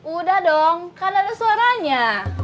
udah dong kan ada suaranya